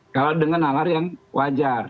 kalau dengan nalar yang wajar